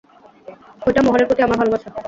ওইটা, মহলের প্রতি আমার ভালোবাসা।